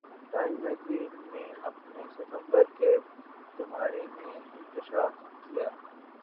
time magazine نے اپنے ستمبر کے شمارے میں انکشاف کیا